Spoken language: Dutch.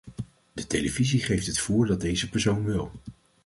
De televisie geeft het voer dat deze persoon wil.